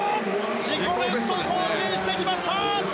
自己ベスト更新してきました！